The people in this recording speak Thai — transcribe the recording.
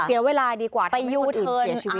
เสียเวลาดีกว่าที่ผู้อื่นเสียชีวิต